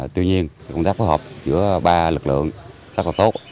tuy nhiên công tác phối hợp giữa ba lực lượng rất là tốt